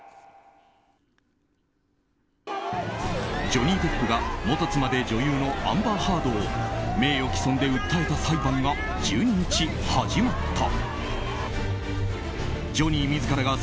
ジョニー・デップが元妻で女優のアンバー・ハードを名誉棄損で訴えた裁判が１２日、始まった。